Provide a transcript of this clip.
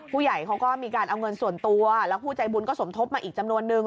ผู้ใหญ่เขาก็มีการเอาเงินส่วนตัวแล้วผู้ใจบุญก็สมทบมาอีกจำนวนนึง